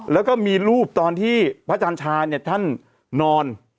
แล้วก็มีรูปตอนที่พระอาจารย์ชาเนี่ยท่านนอน